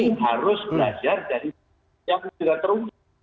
ini harus belajar dari yang juga terunggul